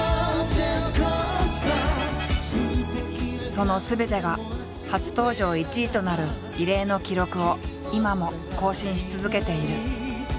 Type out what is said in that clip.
そのすべてが初登場１位となる異例の記録を今も更新し続けている。